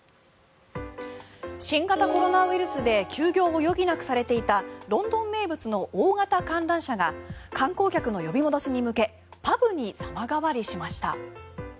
新型コロナウイルスで休業を余儀なくされていたロンドン名物の大型観覧車が観光客の呼び戻しに向けパブに様変わりしました。